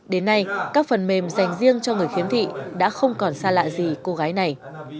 đến nay các phần mềm dành riêng cho người khiếm thị đã không còn xa lạ gì cô gái này